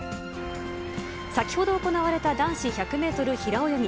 先ほど行われた男子１００メートル平泳ぎ。